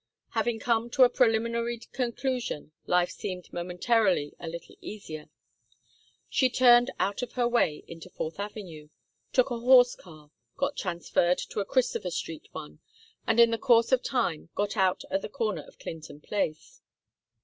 Having come to a preliminary conclusion, life seemed momentarily a little easier. She turned out of her way into Fourth Avenue, took a horse car, got transferred to a Christopher Street one, and in the course of time got out at the corner of Clinton Place.